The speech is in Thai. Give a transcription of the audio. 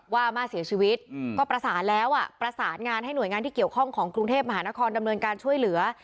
ว่าม่าเสียชีวิตก็ประสานแล้วประสานงานให้หน่วยงานที่เกี่ยวข้องของกรุงเทพมหานครดำเนินการช่วยเหลือ